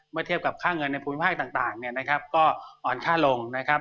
เทียบกับค่าเงินในภูมิภาคต่างเนี่ยนะครับก็อ่อนค่าลงนะครับ